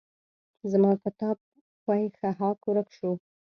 زما کتاب ښوی ښهاک ورک شو.